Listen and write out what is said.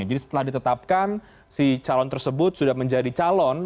jadi setelah ditetapkan si calon tersebut sudah menjadi calon